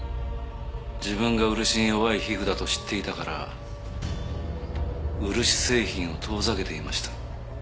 自分が漆に弱い皮膚だと知っていたから漆製品を遠ざけていました。